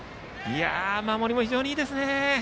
守りも非常にいいですね。